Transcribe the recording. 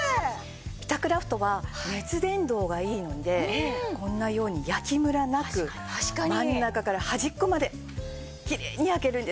ビタクラフトは熱伝導がいいのでこんなように焼きムラなく真ん中から端っこまできれいに焼けるんです。